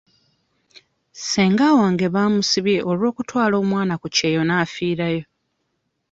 Ssenga wange baamusibye olw'okutwala omwana ku kyeyo n'afiirayo.